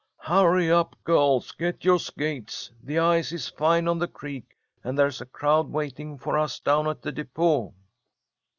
"Hurry up, girls! Get your skates. The ice is fine on the creek, and there's a crowd waiting for us down at the depot."